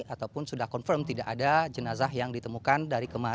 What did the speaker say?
ataupun sudah confirm tidak ada jenazah yang ditemukan dari kemarin